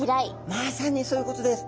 まさにそういうことです。